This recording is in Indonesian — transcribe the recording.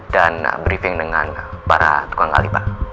dan briefing dengan para tukang kali pak